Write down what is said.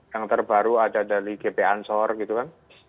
yang terbaru ada dari gp ansor gitu kan